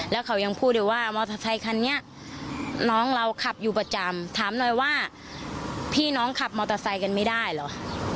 แล้วเขายังพูดอยู่ว่ามอเตอร์ไซคันนี้น้องเราขับอยู่ประจำถามหน่อยว่าพี่น้องขับมอเตอร์ไซค์กันไม่ได้เหรอ